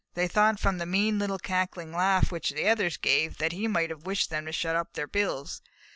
They thought from the mean little cackling laugh which the others gave, that he might have wished them to shut up their bills.